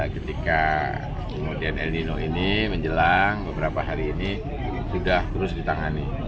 ketika kemudian el nino ini menjelang beberapa hari ini sudah terus ditangani